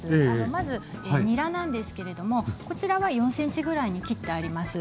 まずにらなんですけれどもこちらは４ｃｍぐらいに切ってあります。